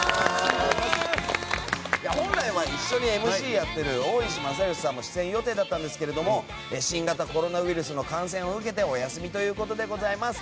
本来は一緒にＭＣをやってるオーイシマサヨシさんも出演予定だったんですけど新型コロナウイルスの感染を受けてお休みということでございます。